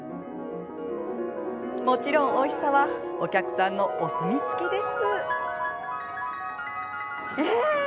もちろん、おいしさはお客さんのお墨付きです。